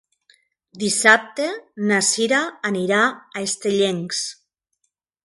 Dissabte na Sira anirà a Estellencs.